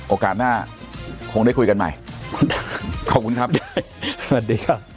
โอกาสหน้าคงได้คุยกันใหม่ขอบคุณครับสวัสดีครับ